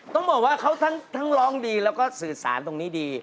ต้องบอกว่าเขาทั้งร้องดีแล้วก็สื่อสารตรงนี้ดี